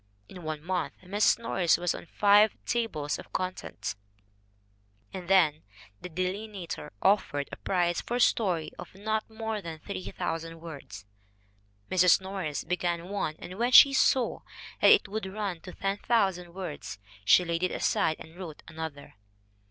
In one month Mrs. Norris was on five tables of contents. And then the Delineator offered a prize for a story of not more than 3,000 words. Mrs. Norris began one, and when she saw that it would run to 10,000 words, she laid it aside and wrote another.